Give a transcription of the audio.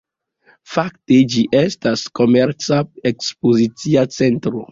Fakte ĝi estas komerca-ekspozicia centro.